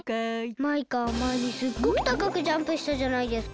マイカまえにすっごくたかくジャンプしたじゃないですか。